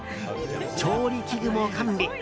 調理器具も完備。